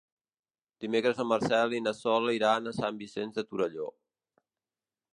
Dimecres en Marcel i na Sol iran a Sant Vicenç de Torelló.